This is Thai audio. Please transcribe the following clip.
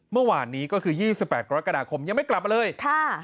เมื่อหวานนี้ก็คือยี่สิบแปดกราคดาคมยังไม่กลับมาเลยค่ะ